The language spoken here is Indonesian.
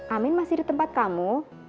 amin masih di tempat kamu